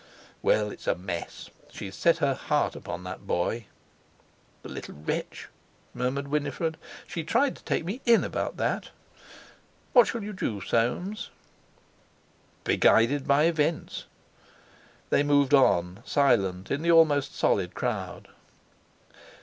"Well, it's a mess. She's set her heart upon their boy." "The little wretch," murmured Winifred. "She tried to take me in about that. What shall you do, Soames?" "Be guided by events." They moved on, silent, in the almost solid crowd.